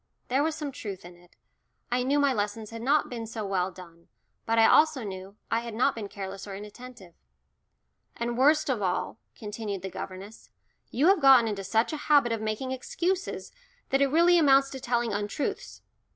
There was some truth in it. I knew my lessons had not been so well done, but I also knew I had not been careless or inattentive. "And worst of all," continued the governess, "you have got into such a habit of making excuses that it really amounts to telling untruths.